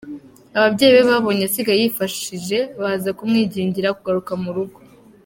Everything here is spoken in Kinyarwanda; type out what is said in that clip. Ababyeyi be babonye asigaye yifashije baza kumwingingira kugaruka mu rugo.